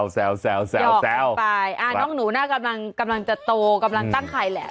แซวไปน้องหนูน่ากำลังจะโตกำลังตั้งใครแหละ